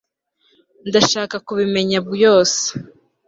Ndashaka kubimenya byose